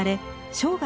生涯